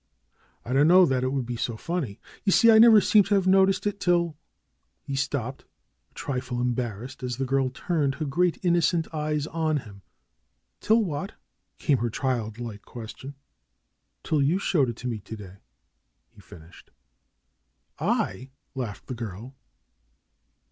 "I don't know that it would be so funny. You see, I never seem to have noticed it till he stopped, a trifle embarrassed as the girl turned her great inno cent eyes on him. "Till what?'^ came her child like question. "Till you showed it to me to day," he finished. "I?" laughed the girl.